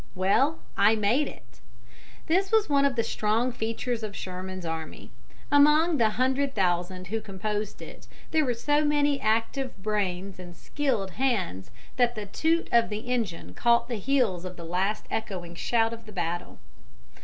"Well, I made it." This was one of the strong features of Sherman's army. Among the hundred thousand who composed it there were so many active brains and skilled hands that the toot of the engine caught the heels of the last echoing shout of the battle.